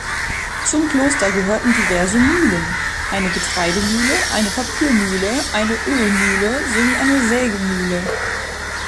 Zum Kloster gehörten diverse Mühlen: eine Getreidemühle, eine Papiermühle, eine Ölmühle, sowie eine Sägemühle.